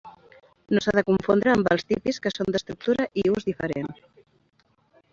No s'ha de confondre amb els tipis que són d'estructura i ús diferent.